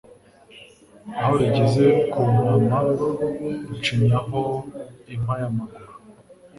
Aho rugeze ku mpama Rucinyaho impayamaguru